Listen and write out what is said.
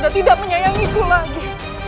sudah tidak menyayangi ku lagi